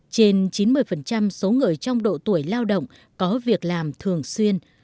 trên chín mươi số người trong độ tuổi lao động có việc làm thường xuyên